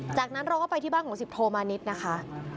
จากนั้นเราก็ไปที่บ้านของสิบโทมานิดนะคะ